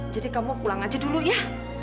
jadi kamu pulang aja dulu ya